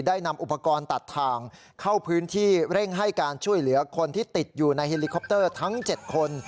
นำอุปกรณ์ตัดทางเข้าพื้นที่เร่งให้การช่วยเหลือคนที่ติดอยู่ในเฮลิคอปเตอร์ทั้ง๗คน